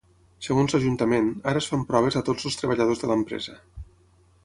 Segons l’ajuntament, ara es fan proves a tots els treballadors de l’empresa.